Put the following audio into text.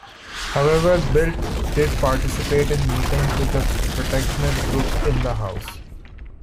However Bildt did participate in meetings with the protectionist group in the House.